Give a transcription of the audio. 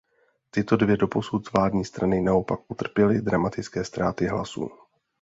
Tyto dvě doposud vládní strany naopak utrpěly dramatické ztráty hlasů.